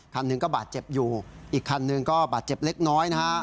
คันหนึ่งก็บาดเจ็บอยู่อีกคันหนึ่งก็บาดเจ็บเล็กน้อยนะฮะ